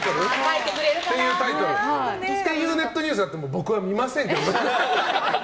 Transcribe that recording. っていうネットニュースあっても僕は見ませんけどね。